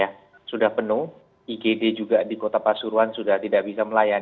ya sudah penuh igd juga di kota pasuruan sudah tidak bisa melayani